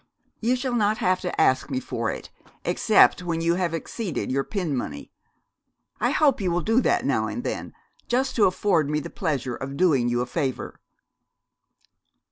'You shall not have to ask me for it, except when you have exceeded your pin money. I hope you will do that now and then, just to afford me the pleasure of doing you a favour.'